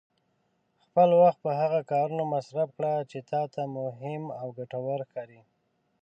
خپل وخت په هغه کارونو مصرف کړه چې تا ته مهم او ګټور ښکاري.